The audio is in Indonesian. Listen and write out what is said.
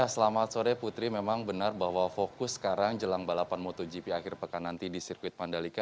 selamat sore putri memang benar bahwa fokus sekarang jelang balapan motogp akhir pekan nanti di sirkuit mandalika